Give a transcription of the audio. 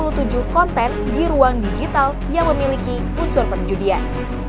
yaitu enam puluh tujuh konten di ruang digital yang memiliki unsur perjudian